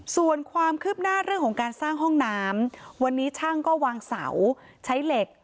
ส่วนความคืบหน้าเรื่องของการสร้างห้องน้ำวันนี้ช่างก็วางเสาใช้เหล็ก